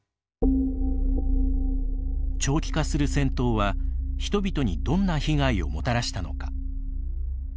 長期化する戦闘は人々にどんな被害をもたらしたのか。